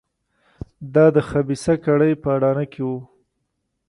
دا د خبیثه کړۍ په اډانه کې وو.